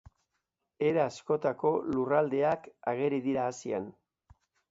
Era askotako lurraldeak ageri dira Asian.